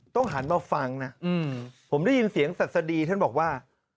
ต้องหันมาฟังผมได้ยินเสียงตัดสดีเท่านะบอกว่า